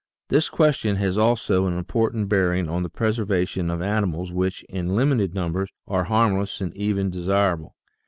This question has also an important bearing on the preservation of animals which, in limited numbers, are harm less and even desirable.